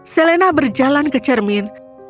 selena berjalan ke cermin